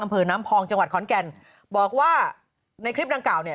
อำเภอน้ำพองจังหวัดขอนแก่นบอกว่าในคลิปดังกล่าวเนี่ย